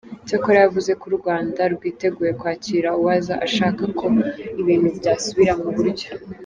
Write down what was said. Cyakora yavuze ko u Rwanda rwiteguye kwakira uwaza ashaka ko ibintu byasubira mu buryo.